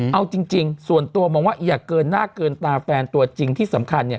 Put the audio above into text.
เอาจริงส่วนตัวมองว่าอย่าเกินหน้าเกินตาแฟนตัวจริงที่สำคัญเนี่ย